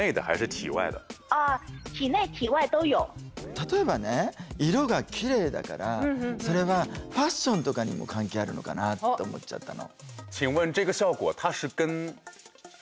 例えばね色がキレイだからそれはファッションとかにも関係あるのかなと思っちゃったの。